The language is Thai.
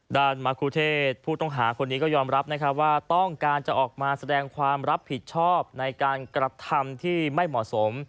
มะครูเทศผู้ต้องหาคนนี้ก็ยอมรับนะครับว่าต้องการจะออกมาแสดงความรับผิดชอบในการกระทำที่ไม่เหมาะสม